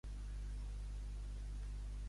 A on hi ha un temple en el seu honor?